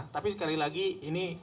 tapi sekali lagi ini